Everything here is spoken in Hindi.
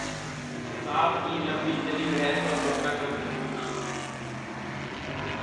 कसाब की लंबी चली बहस और घटनाक्रम की सूची